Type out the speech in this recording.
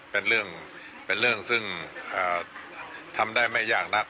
เป็นเรื่องซึ่งทำได้ไม่ยากนัก